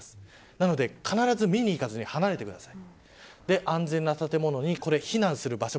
だから見に行かずに離れてください。